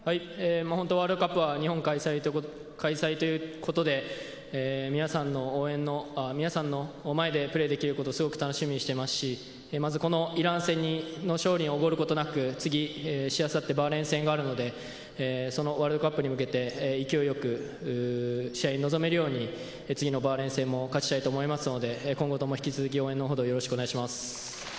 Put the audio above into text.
ワールドカップは日本開催ということで、皆さんの前でプレーできることを楽しみにしていますし、イラン戦の勝利におごることなく、しあさって、バーレーン戦があるので、ワールドカップに向けて、試合に臨めるように勝ちたいと思いますので、今後も引き続き応援のほど、よろしくお願いします。